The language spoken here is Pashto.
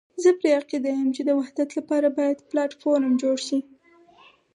زه پر دې عقيده یم چې د وحدت لپاره باید پلاټ فورم جوړ شي.